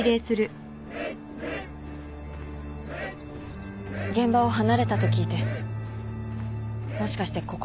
現場を離れたと聞いてもしかしてここじゃないかと。